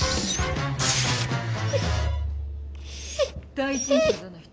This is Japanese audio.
第一印象どの人？